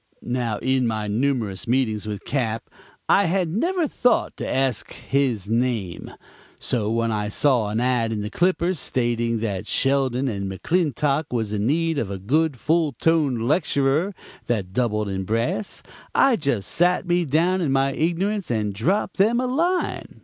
"Now, in my numerous meetings with Cap. I had never thought to ask his name, so when I saw an 'ad' in the Clipper stating that Sheldon & McClintock was in need of a good full toned lecturer that doubled in brass, I just sat me down in my ignorance and dropped them a line.